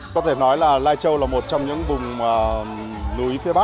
có thể nói là lai châu là một trong những vùng núi phía bắc